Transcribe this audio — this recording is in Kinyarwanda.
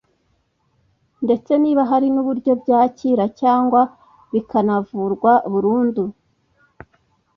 ndetse niba hari n'uburyo byakira cyangwa bikanavurwa burundu